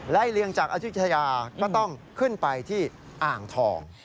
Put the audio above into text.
เลียงจากอายุทยาก็ต้องขึ้นไปที่อ่างทอง